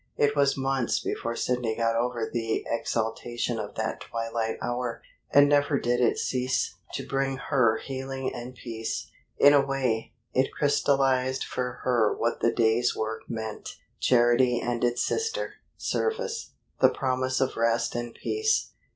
It was months before Sidney got over the exaltation of that twilight hour, and never did it cease to bring her healing and peace. In a way, it crystallized for her what the day's work meant: charity and its sister, service, the promise of rest and peace.